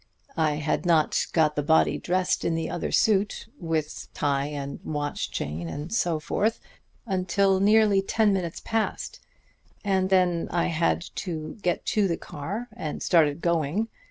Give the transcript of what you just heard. I had not got the body dressed in the other suit, with tie and watch chain and so forth, until nearly ten minutes past; and then I had to get to the car and start it going....